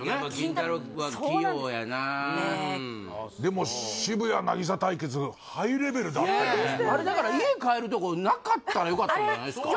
は器用やなでも渋谷凪咲対決ハイレベルだったよねあれだから家帰るとこなかったらよかったんじゃないですか？